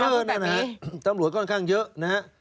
นั่นนะฮะตำรวจค่อนข้างเยอะนะฮะ